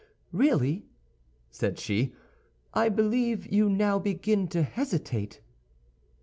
"Really," said she, "I believe you now begin to hesitate."